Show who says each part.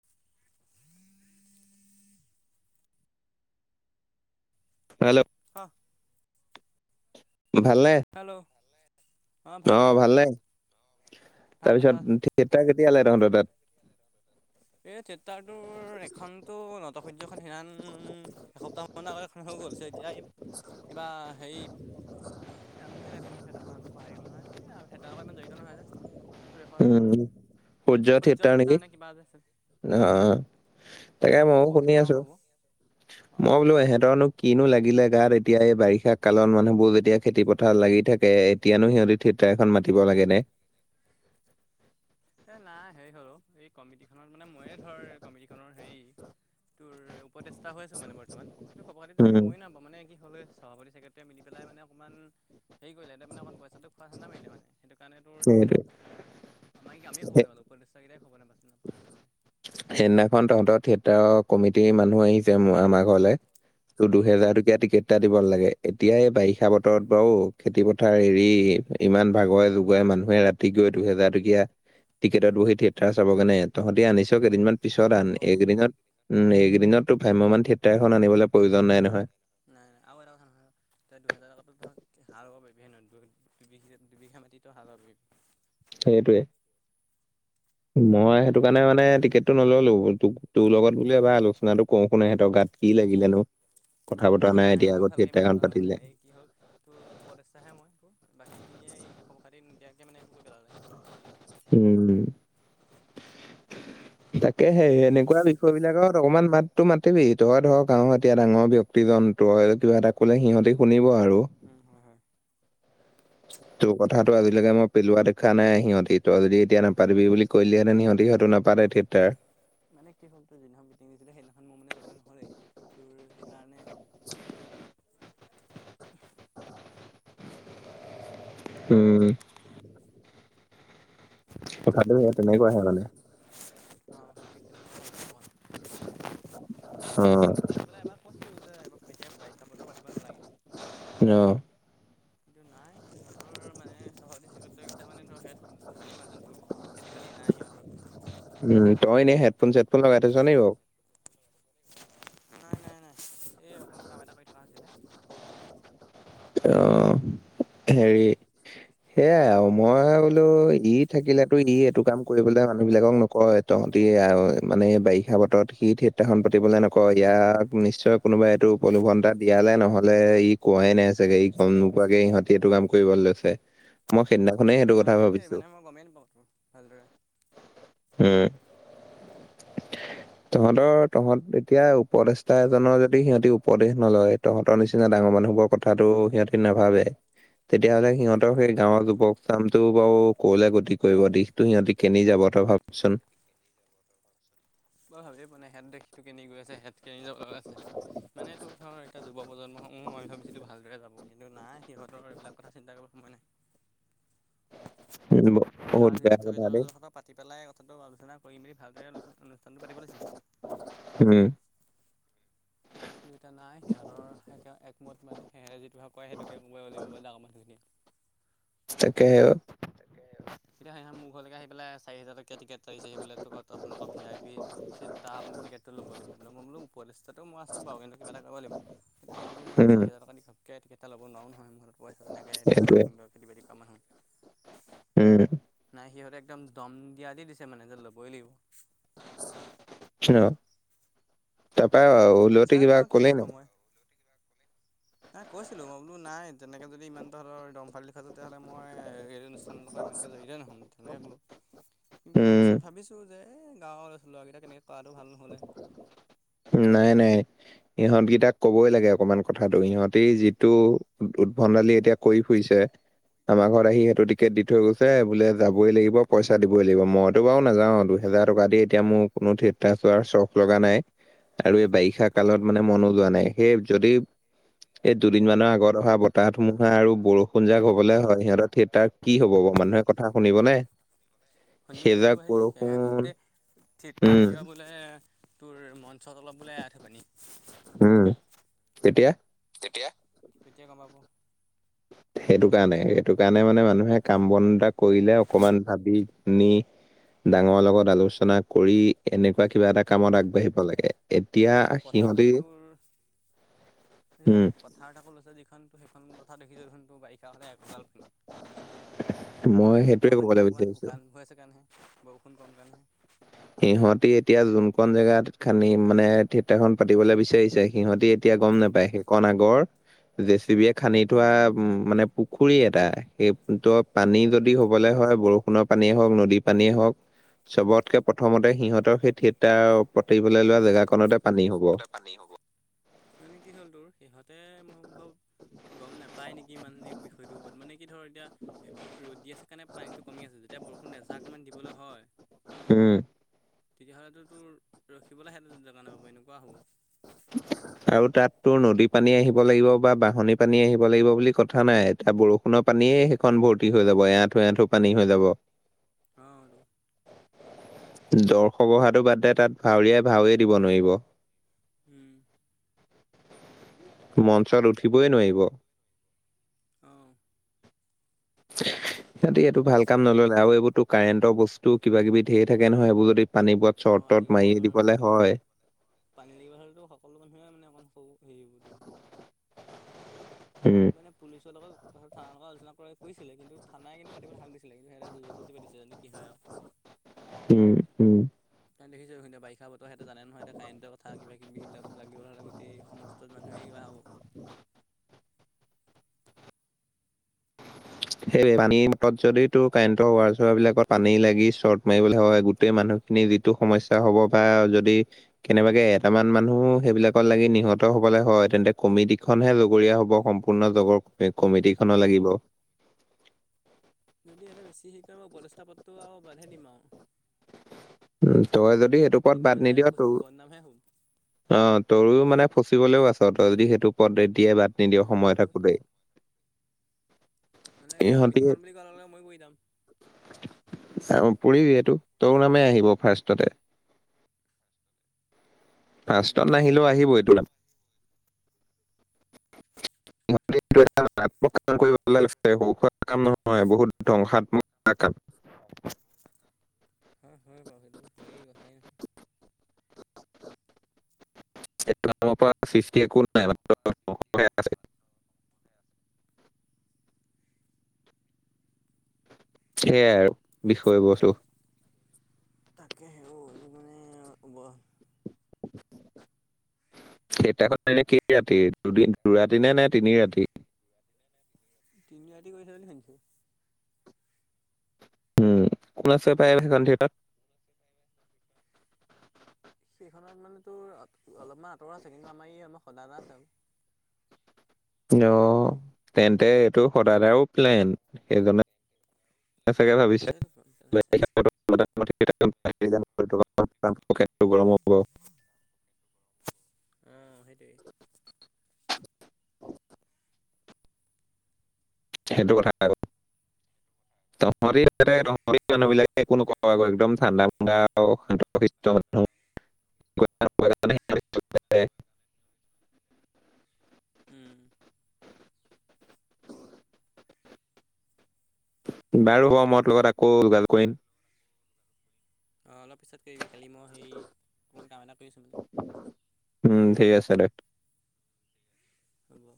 Speaker 1: [unintelligible]
Speaker 2: Hello.
Speaker 1: অ।
Speaker 2: ভালনে।
Speaker 1: Hello.
Speaker 2: অ' ভাল নে
Speaker 1: ভাল ভাল
Speaker 2: তাৰপিছত থিয়েটাৰ কেতিয়ালে তহঁতৰ তাত।
Speaker 1: এই থিয়েটাৰটোৰ এখনতো নটসহ্যখন সিৰাণ এসপ্তাহ। [inaudible] হৈ গ'ল [inaudible] এতিয়া কিবা হেৰি। এ আমিখন ফেটাখন পাহি গল নহয় সে ইমান জড়িত নহয় যে। তোৰ এখন
Speaker 2: উম,
Speaker 1: সূৰ্য থিয়েটাৰ নে কিবা যে।
Speaker 2: অ অ তাকে
Speaker 1: সেইখনতো
Speaker 2: মইও শুনি
Speaker 1: পৰহিলৈ পৰা
Speaker 2: আছো
Speaker 1: আৰম্ভ হ'ব অঁ
Speaker 2: মই বোলো এহেঁতৰনো। কিনো লাগিলে গাত এতিয়া এই বাৰিষা কালত মানুহবোৰ যেতিয়া খেতি পথাৰত লাগি থাকে। তিয়ানো সিহঁতে থিয়েটাৰ এখন মাতিব লাগে।
Speaker 1: এই নাই সেই হ'লো এই কমিটিখনত মানে মইয়ে ধৰ এই কমিটিখনৰ হেৰি। তোৰ উপদেষ্টা হৈ আছো মানে বৰ্তমান ত খবৰ খাতি তেনেকে
Speaker 2: উম,
Speaker 1: মই নাপাও [inaudible] কি হ'ল সভাপতি চেক্ৰেটীয়ে মিলি পেলাই অকণমান হেৰি কৰিলে মানে অকণ পইচাটো খোৱা ধাণ্ডা মাৰিলে মানে। সেইটো কাৰণে তোৰ।
Speaker 2: সেইটোৱে
Speaker 1: [inaudible] আমি আমিয়ে
Speaker 2: সে-
Speaker 1: খবৰ [unintelligible]
Speaker 2: সেইদিনাখন তহঁতৰ থিয়েটাৰ কমিটিৰ মানুহ আহি [inaudible] আমাৰ ঘৰলে।
Speaker 1: অঁ
Speaker 2: দুহেজাৰ টকীয়া টিকেট। ইত্যাদি দিব লাগে এতিয়া এই বাৰিষা বতৰত বাৰু খেতি পথাৰ এৰি ইমান ভাগৰে জোগৰে মানুহে ৰাতি। তি গৈ দুহেজাৰ টকীয়া টিকটত বহি থিয়েটাৰ চাব কাৰণে তহঁতি আনি। ত
Speaker 1: হয়
Speaker 2: কেইদিনমান
Speaker 1: হয়
Speaker 2: পিছত আন একেইদিনত। উম এইকদিনতটো ভাম্যমান থিয়েটাৰ এখন আনিবলৈ প্ৰয়োজন নাই নহয়।
Speaker 1: নাই আৰু এটা কথা নহয়। তই দুহেজাৰ টকাতো ধৰ হাৰ হব পাৰিবি হেনঘ দুবিঘা মাটিতো হাল বাবি।
Speaker 2: সেইটোৱে। মই সেইটো কাৰণে মানে টিকেট টো তোৰ লগত বোলে ভাল। [inaudible] কওঁ শুন সিহতৰ গাত কি লাগিলেনো কথা বতৰা নাই এতিয়া
Speaker 1: ময়ো
Speaker 2: আগত
Speaker 1: ভালকৈ ইমান
Speaker 2: থিয়েটাৰ এখন
Speaker 1: নাজানো মানে
Speaker 2: পাতিলে।
Speaker 1: এই কি হ'ল। তোৰ উপদেষ্টাহে মই তোৰ বাকীখিনিয়ে এই খবৰ খাতি নিদিয়াকৈ মানে এবোৰ কৰি পেলালে।
Speaker 2: উম তাকে সেই এনেকুৱা। বিষয় বিলাকত অকনমান মাতো মাতিবি তই ধৰ গাঁৱৰ এতিয়া ডাঙৰ ব্যক্তিজন তই কিবা এটা। ক'লে সিহঁতে শুনিব আৰু।
Speaker 1: উম হয় হয়।
Speaker 2: তোৰ কথাাতটো আজিলৈকে মই পেলোৱা দেখা নাই সিহঁতি তই যদি এতিয়া নাপাতিবি বুলি। কৰিলেহেনো সিহঁতি নাপাতে থিয়েটাৰ।
Speaker 1: মানে কি হ'ল তোৰ যিদিনাখন মিটিং দিছিলে সেইদিনাখন মোৰ মানে যাবলৈ নহলে তোৰ সেইকাৰণে।
Speaker 2: [inaudible]
Speaker 1: [inaudible]
Speaker 2: উম। কথাটো অ তেনেকুৱাহে মানে।
Speaker 1: অঁ সেই ঠিক তেনেকুৱা। মই
Speaker 2: অ',
Speaker 1: কিন্তু পাতি পেলাই এবাৰ কৈছো যে এতিয়া বাৰিষা বতৰ পাতিব নালাগে।
Speaker 2: অ।
Speaker 1: কিন্তু নাই সিহঁতৰ মানে সভাপতি চেক্ৰেটীটো কেইটা মানে ধনী মানুহটো। খেতি বাতি নাই সিহঁতৰ।
Speaker 2: উম তই এনে হেডফোন চেডফোন লগাই থৈছো নেকি বাৰু।
Speaker 1: নাই নাই নাই এই অকন কাম এটা কৰি থকা হৈছিলে সৰু খোৱাকে।
Speaker 2: অ হেৰি। সেয়াই আৰু মই বোলো ই থাকিলেতো ই এইটো কাম কৰিবলৈ মানুহ বিলাকক নকয়। তহঁতি আহ মানে বাৰিষা বতৰত সি থিয়েটাৰ খন পাতিবলৈ নকয় ইয়াক নিশ্চয়। কোনোবাই এইটো উপলোভন এটা দিয়ালে নহলে ই কোৱাই নাই। চাগে ই গম নোপোৱাকে ইিহঁতিটো কাম কৰিব লৈছে। মই সেইদিনাখনেই সেইটো
Speaker 1: হয়
Speaker 2: কথা
Speaker 1: এইটোৱে
Speaker 2: ভাবিছো
Speaker 1: মানে মই গমেই নাপাওঁ তোৰ ভালদৰে।
Speaker 2: উম। [inaudible] তহঁতৰ তহঁত এতিয়া উপদেষ্টা এজনৰ যদি সিহঁতি উপদেশ নলয় তহঁতৰ নিচিনা ডাঙৰ মানুহবোৰ। কথাাতটো সিহঁতি নাভাবে। তেতিয়াহ'লে সিহঁতৰ সেই গাঁৱৰ
Speaker 1: উম
Speaker 2: যুৱক চামটো বাৰু কলে গতি কৰিব দিশ। তু সিহঁতি কেনি যাব তই ভাবচোন।
Speaker 1: ময় ভাবিয়ে পোৱা নাই হেন্তেশটো কেনি গৈ আছে হত। [unintelligible] আছে মানে তোৰ ধৰ এতিয়া যুৱ প্ৰজন্মসম মই ভাবিছিলো ভালদৰে যাব কিন্তু নাই। সিহঁতৰ এইবিলাক কথা চিন্তা কৰিব সময় নাই।
Speaker 2: [unintelligible]
Speaker 1: গাঁৱ জ্যেষ্ঠ
Speaker 2: কথা দেই
Speaker 1: কেইজনৰত পাতি পেলাই কথাটো আলোচনা কৰি মেলি ভালদৰে অনুষ্ঠানটো পাতি লৈছিল।
Speaker 2: হম।
Speaker 1: দুয়টা নাই সিহঁতৰ এক একমত মানে সেহেৰে যিটো ভাগ ক কৰে সেইটোকে কব উওলিবলে ডাঙৰ মঠুখিনি।
Speaker 2: তাকেহে অ।
Speaker 1: তাকে তেতিয়া সিহ মোৰ ঘৰলৈক আহিেলাই চাৰি হাজাৰ টকীয়া টিকেট পাৰিছে সেইবো ত আপোনালোকৰ ভি আই পি। চিত টা আপুনি টিকেটটো লব লাগিব মই বোলো উপদষ্টাতটো মই আছো বাৰু কিন্তু কিব এটা কৰিব লাগিব। সেইবুলি মই এতিয়া
Speaker 2: উম,
Speaker 1: চাৰি হাজাৰ টকা দি খাম। কে কেইটা লব নোৱাৰো নহয় মূৰত পইচানেকৈ দেখিছই
Speaker 2: সেইটোৱে
Speaker 1: দেখুন সুন্দৰ খেতি বাতি কৰা মানুহ।
Speaker 2: উম,।
Speaker 1: নাই সিহঁতে একদম দম দিয়া দি দিছে মানে যে ল'বই লাগিব।
Speaker 2: [unintelligible] তাপা ওলতে
Speaker 1: চাই লওঁ
Speaker 2: কিবা
Speaker 1: আৰু কি
Speaker 2: কলি
Speaker 1: হয়
Speaker 2: নই।
Speaker 1: সময়। নাই কৈছিলো মই বোলো নাই তেনেকে যদি ইমান তহঁতৰ দমফালি। তেতিয়াহ'লে মই এই অনুষ্ঠানৰ লগত ইমানকৈ জড়তে নহ'ম। তেনেকৈ ক'লোঁ কিন্তু
Speaker 2: উম,
Speaker 1: পিছত ভাবিছোঁ যে এই গাঁৱৰ ল'ৰাকেইটা কেনেকৈ কৰাটো ভাল নহ'লে।
Speaker 2: নাই নাই। ইহঁতকেইটাক কবই লাগে অকমান কথাটো ইহঁতে যিটো উদ্ভণ্ডালি এতিয়া কৰি ফুৰিছে। আমাৰ ঘৰত আহি সেইটো টিকেট দি থৈ গৈছে বোলে যাবই লাগিব পইচা দিবই লাগিব মইতো বাৰু নাযাও আৰু টো। হেজাৰ টকা দি এতিয়া মোৰ কোনো ঠিত। টা চোৱাৰ চখ লগা নাই আৰু এই বাৰিষা কালত
Speaker 1: উম।
Speaker 2: মানে
Speaker 1: বাৰিষা
Speaker 2: মনো যোৱা নাই। সেই যদি
Speaker 1: কালত
Speaker 2: টিক টিক। এই দুদিন মানৰ আগত অহা বতাহ, ধুমুহা আৰু বৰষুণ যাক হ'বলে হয়। সিহঁতৰ থিয়েটাৰত কি হ'ব বাৰু? মানুহে কথা শুনিব নে?
Speaker 1: শুনিব, শুনিব সেই সেয়া আকৌ গোটেই থিট্
Speaker 2: উম
Speaker 1: হেৰিয় বোলে তোৰ মঞ্চ তলত বোলে আঠু পানী।
Speaker 2: উম, তেতিয়ায়া
Speaker 1: তেতিয়া, তেতিয়া গম পাব।
Speaker 2: সেইটো কাৰণে, সেইটো কাৰণে মানে মানুহে কাম- বন এটা কৰিলে অকমান ভাৱি গুণি ডাঙৰ লগত আলোচনা কৰি এনেকুৱা কিবা এটা কামত আগবাঢ়িব লাগে। এতিয়া
Speaker 1: তাকো পথাৰ
Speaker 2: সিহঁতি
Speaker 1: লৈছে তোৰ বুজিছ
Speaker 2: উম
Speaker 1: নাই
Speaker 2: -
Speaker 1: পথাৰত আাকৌ লৈছে যিখন সেইখন পথাৰ দেখিছই দেখোন ত' বাৰিষা হ'লে বানপানী,
Speaker 2: মই
Speaker 1: এতিয়াটো
Speaker 2: সেইটোয়ে
Speaker 1: ধৰা পানী
Speaker 2: কবলৈ
Speaker 1: অকমান
Speaker 2: বিচাৰিছো
Speaker 1: শুকান হৈ আছে কাৰণেহে বৰষুণ কম কাৰণেহে
Speaker 2: সিহঁতি এতিয়া যোন কণ জেগাত খানি মানে, থিয়েটাৰখন পাতিবলে বিচাৰিছে সিহঁতি এতিয়া গম নোপায় সেইকণ আগৰ জে চি বিয়ে খান্দি থোৱা উম মানে পুখুৰী এটা সেই ত' পানী যদি হ'বলে হয় বৰষুণৰ পানীয়ে হওঁক, নদীৰ পানীয়ে হওঁক চবতকে প্ৰথমতে সিহঁতৰ সেই থিয়েটাৰ পাতিবলে লোৱা জেগাখনতে পানী হ'ব।
Speaker 1: পানি হ'ব। মানে কি হ'ল তোৰ? সিহঁতে মোৰ সম্ভৱ গম নাপায় নেকি মানুহখিনি বিষয়টোৰ ওপৰত। মানে কি ধৰ এতিয়া ৰ'দ দি আছে কাৰণে পানীটো কমি আছে। যেতিয়া বৰষুণ এযাকমান দিবলে হয়
Speaker 2: উম।
Speaker 1: তেতিয়া হ'লেতো তোৰ ৰখিবলে সেয়াত জেগা নেপাব এনেকুৱা হ'ব।
Speaker 2: [unintelligible] আৰু তাতটো নদী পানী আহিব লাগিব বা বাঁহনী পানী আহিব লাগিব বুলি কথা নাই। এতিয়া বৰ ষুণৰ পানীয়েই সেইখন ভৰ্তি হৈ যাব। এআঁঠু এআঁঠু পানী হৈ যাব।
Speaker 1: অঁ, দু
Speaker 2: দৰ্শ বহাটো বাদদে তাত ভাওৰীয়াই ভাওৱে দিব নোৱাৰিব।
Speaker 1: উম।
Speaker 2: মঞ্চত উঠিবই নোৱাৰিব
Speaker 1: অঁ।
Speaker 2: সিহঁতি এইটো ভাল কাম নল'লে আৰু এইবোৰ তোক কাৰেণ্টৰ বস্তু কিবা-কিবি ধেই থাকে নহয় সেইবোৰ যদি পানীবোৰত
Speaker 1: অঁ
Speaker 2: চৰ্ট- তৰ্ত
Speaker 1: আজিকালি
Speaker 2: মাৰি
Speaker 1: ধৰ
Speaker 2: দিবলে হয়।
Speaker 1: কাৰেণ্টত পানী লাগিব হ'লেতো সকলো মানুহে মানে অকণ সৰু হেৰি হ'ব তো
Speaker 2: উম।
Speaker 1: মানে পুলিচৰ লগত কথাটো, থানাৰ লগত আলোনা কৰি -কৰিছিলে কিন্তু থানাই কিন্তু পাতিবলে সাহস দিছিলে। কিন্তু সিহঁতে যোৰ - জবস্তি পাতিছে বুলি কি হয় আক্
Speaker 2: উম, উম।
Speaker 1: তাত দেখিছো এতিয়া বাৰিষা বতৰ হেঁতে জানে নহয়। এতিয়া কাৰেণ্টৰ কথা কিবি- কিবি লাগিব হ'লে গোটেই সমস্ স্ত মানুহে কিবা হ'ব।
Speaker 2: [unintelligible] [unintelligible] সেই পানী মটত যদি তোৰ কাৰেণ্টৰ ৱাৰ- চোৱাৰ বিলাকত পানী লাগি চৰ্ট মাৰিবলে হয় গোটেই মানুহ খিনি যিটো সমস্যা হ'ব বা যদি কেনেবাকৈ এটামান মানুহ সেইবিলাকত লাগি নিহত হ'বলৈ হয় তেন্তে কমিটিখনহে লগৰীয়া হ'ব সম্পূ ৰ্ণ জগৰ
Speaker 1: হয়,
Speaker 2: কমিটি
Speaker 1: হয়,
Speaker 2: খনৰ লাগিব।
Speaker 1: সেইটোৱেই যদি ইহঁতে বেছি হেই কৰে মই পদস্থাপত্ৰটো আও বাদহে দিম আও।
Speaker 2: উম, তই যদি সেইটো পদ
Speaker 1: এনেই
Speaker 2: বাদ
Speaker 1: মানে
Speaker 2: নিদিয় তো
Speaker 1: ফচ- বদনামহে হ'ম।
Speaker 2: অ' তোৰ মানে ফচিবলেও আছ তই যদি সেইটো পদ এতিয়াই বাদ
Speaker 1: অ
Speaker 2: নিদিয় সময়
Speaker 1: হয়তো
Speaker 2: থাকোতেই।
Speaker 1: মানে কমিটিখন বুলি কোৱা লগে লগে মইও পৰি যাম।
Speaker 2: অ পৰিবিয়েতো তোৰ নামেই আহিব ফাৰ্ষ্টতে।
Speaker 1: উম
Speaker 2: ফাষ্টত নাহিলেও আহিবই তোৰ নাম। এটাক কাম কৰিব লাগে সৰু সুৰা কাম নহয় বহুত ধ্বংসাত্মক এটা কাম।
Speaker 1: হয়, হয় বাৰু সেইটো হেই কথাই নহয়।
Speaker 2: সেফালৰ পৰা সৃষ্টি একো নাই মানে। হয় আছে। সেয়াই আৰু বিষয় বস্তু।
Speaker 1: তাকে হে অ এইবোৰ মানে বৰ
Speaker 2: সেইদিনাখন এনে কি ৰাতি দুদিন দুৰাতি নে নে তিনি ৰাতি?
Speaker 1: তিনিৰাতি কৰিছে বুলি শুনিছো।
Speaker 2: উম, কোন আছে পায় সেইখন থিয়েটাৰত।
Speaker 1: সেইখনত মানে তোৰ অলপমান আঁতৰ আছে কিন্তু আমাৰ ই আমাৰ সদায় এটা আছে আৰু।
Speaker 2: অ' তেন্তে এইটো সদায় সদায়োএও প্লেন সেইজনে চাগে ভাবিছে
Speaker 1: আছেতো আছে আছে
Speaker 2: [unintelligible]
Speaker 1: অ সেইটোৱেই।
Speaker 2: সেইটো কথা আৰু অ শৰিতে শৰি মানুহ বিলাকে একো নকওঁ একদম ঠাণ্ডা মাষ্ট মানুহ। গোটেই কেইটা পৰিয়াল মানে
Speaker 1: উম
Speaker 2: বাৰু হব মই তোৰ লগত আকৌ যোগাযোগ কৰিম।
Speaker 1: অ অলপ পিছত কৰিবি খালি মই সেই অকণমান কাম এটা কৰি আছো মানে
Speaker 2: উম ঠিক আছে দে
Speaker 1: হব